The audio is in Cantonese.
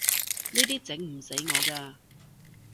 呢啲整唔死我㗎